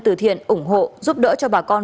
từ thiện ủng hộ giúp đỡ cho bà con